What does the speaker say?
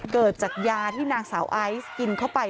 เกิดจากยาที่นางสาวไอซ์กินเข้าไป